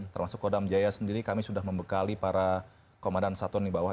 termasuk kodam jaya sendiri kami sudah membekali para komandan satuan di bawah